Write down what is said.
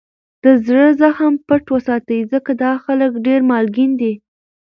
دزړه زخم پټ وساتئ! ځکه دا خلک دېر مالګین دي.